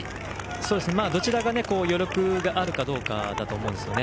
どちらが余力があるかどうかだと思うんですね。